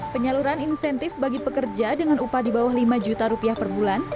penyaluran insentif bagi pekerja dengan upah di bawah lima juta rupiah per bulan